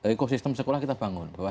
ekosistem sekolah kita bangun